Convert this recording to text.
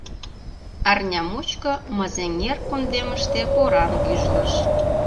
Арня мучко Мызеҥер кундемыште поран гӱжлыш.